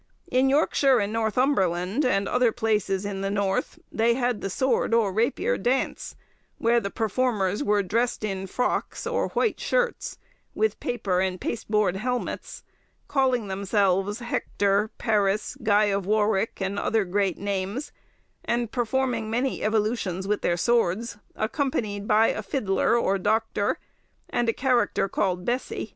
In Yorkshire and Northumberland, and other places in the north, they had the sword or rapier dance, where the performers were dressed in frocks, or white shirts, with paper or pasteboard helmets,—calling themselves Hector, Paris, Guy of Warwick, and other great names, and performing many evolutions with their swords, accompanied by a fiddler or doctor, and a character called Bessy.